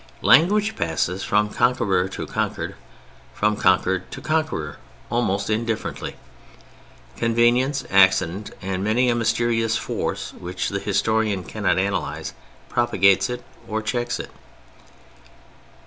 Language passes from conqueror to conquered, from conquered to conqueror, almost indifferently. Convenience, accident, and many a mysterious force which the historian cannot analyze, propagates it, or checks it.